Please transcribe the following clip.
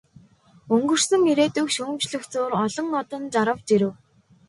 Өнгөрсөн ирээдүйг шүүмжлэх зуур олон одон жарав, жирэв.